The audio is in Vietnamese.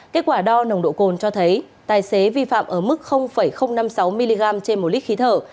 kết quả đo nồng độ cồn cho thấy tài xế vi phạm ở mức năm mươi sáu mg trên một lít khí thở